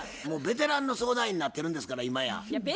もうベテランの相談員になってるんですから今や。